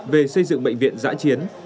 về xây dựng bệnh viện giã chiến